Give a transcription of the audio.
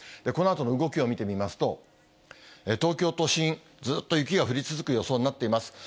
このあとの動きを見てみますと、東京都心、ずっと雪が降り続く予想になっています。